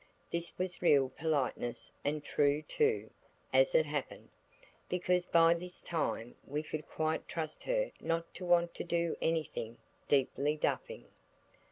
This was real politeness and true too, as it happened, because by this time we could quite trust her not to want to do anything deeply duffing.